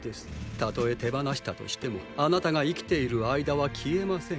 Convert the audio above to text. たとえ手放したとしてもあなたが生きている間は消えません。